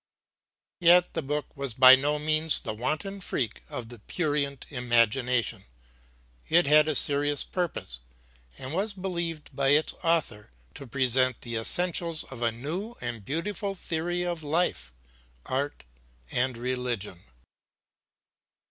Yet the book was by no means the wanton freak of a prurient imagination; it had a serious purpose and was believed by its author to present the essentials of a new and beautiful theory of life, art and religion.